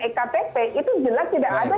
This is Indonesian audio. ekpp itu jelas tidak ada